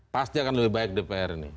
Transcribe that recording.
pasti akan lebih baik dpr ini